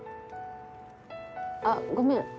あごめん。